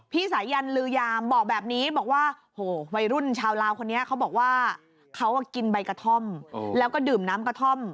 สายันลือยามบอกแบบนี้บอกว่าโหวัยรุ่นชาวลาวคนนี้เขาบอกว่าเขากินใบกระท่อมแล้วก็ดื่มน้ำกระท่อม